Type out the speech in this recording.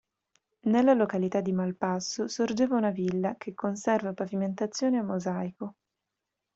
Nella località di Malpasso sorgeva una villa che conserva pavimentazioni a mosaico.